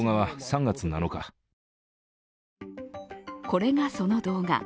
これがその動画。